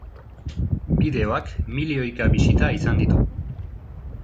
Bideoak milioika bisita izan ditu.